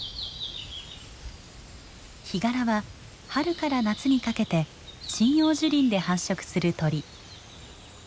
ヒガラは春から夏にかけて針葉樹林で繁殖する鳥。